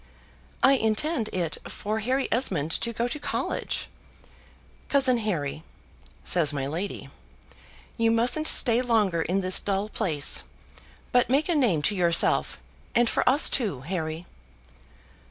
"I intend it for Harry Esmond to go to college. Cousin Harry," says my lady, "you mustn't stay longer in this dull place, but make a name to yourself, and for us too, Harry."